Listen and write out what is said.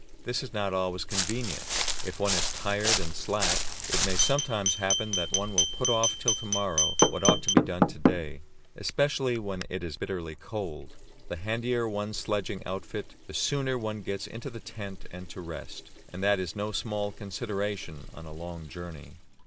This is not always convenient; if one is tired and slack, it may sometimes happen that one will put off till to morrow what ought to be done to day, especially when it is bitterly cold. The handier one's sledging outfit, the sooner one gets into the tent and to rest, and that is no small consideration on a long journey.